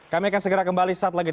kami akan segera kembali saat lagi